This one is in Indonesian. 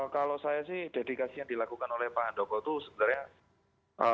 kalau saya sih dedikasi yang dilakukan oleh pak handoko itu sebenarnya